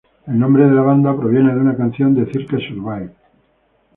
El nombre de la banda proviene de una canción de Circa Survive.